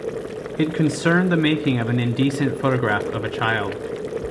It concerned the making of an indecent photograph of a child.